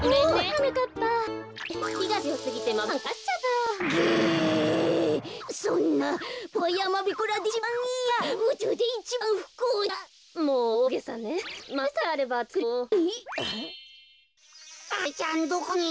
はい！